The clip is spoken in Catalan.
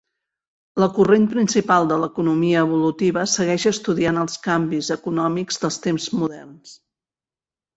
La corrent principal de l'economia evolutiva segueix estudiant els canvis econòmics dels temps moderns.